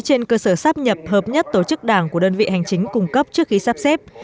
trên cơ sở sắp nhập hợp nhất tổ chức đảng của đơn vị hành chính cung cấp trước khi sắp xếp